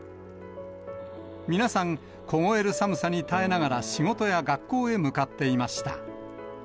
皆さん、凍える寒さに耐えながら仕事や学校へ向かっていました。